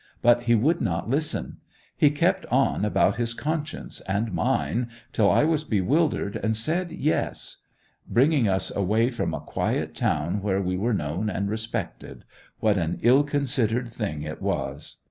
But he would not listen; he kept on about his conscience and mine, till I was bewildered, and said Yes! ... Bringing us away from a quiet town where we were known and respected—what an ill considered thing it was!